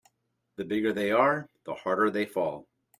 The bigger they are the harder they fall.